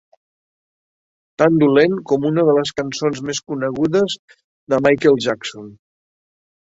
Tan dolent com una de les cançons més conegudes de Michael Jackson.